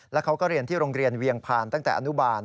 แล้วเขาก็เรียนที่โรงเรียนเวียงพานตั้งแต่อนุบาล